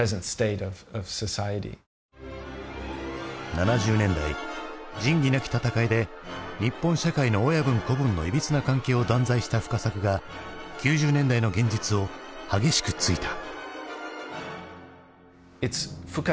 ７０年代「仁義なき戦い」で日本社会の親分子分のいびつな関係を断罪した深作が９０年代の現実を激しく突いた。